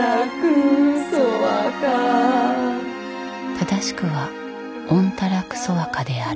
正しくはオンタラクソワカである。